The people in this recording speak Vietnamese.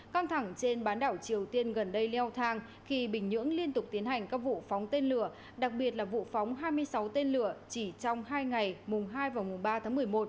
căng thẳng trên bán đảo triều tiên gần đây leo thang khi bình nhưỡng liên tục tiến hành các vụ phóng tên lửa đặc biệt là vụ phóng hai mươi sáu tên lửa chỉ trong hai ngày mùng hai và mùng ba tháng một mươi một